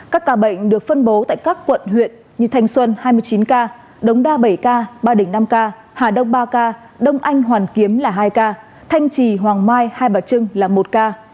các ca bệnh được phân bố tại các quận huyện như thanh xuân hai mươi chín ca đống đa bảy k ba đỉnh năm ca hà đông ba ca đông anh hoàn kiếm là hai ca thanh trì hoàng mai hai bà trưng là một ca